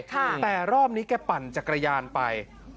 แต่รอบนี้แกปั่นจักรยานไป